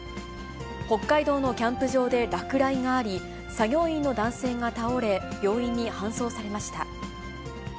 北海道のキャンプ場で落雷があり、作業員の男性が倒れ、病院に搬送されました。